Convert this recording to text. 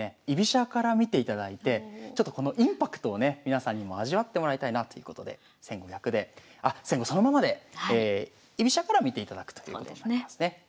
居飛車から見ていただいてこのインパクトをね皆さんにも味わってもらいたいなということで先後逆であっ先後そのままで居飛車から見ていただくということになりますね。